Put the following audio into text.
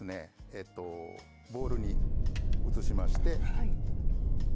えっとボウルに移しまして。